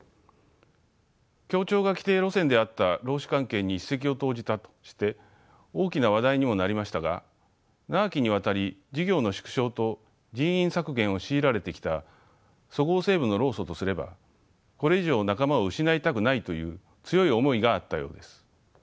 協調が既定路線であった労使関係に一石を投じたとして大きな話題にもなりましたが長きにわたり事業の縮小と人員削減を強いられてきたそごう・西武の労組とすればこれ以上仲間を失いたくないという強い思いがあったようです。